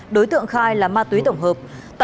đối tượng khai là ma túy tổng hợp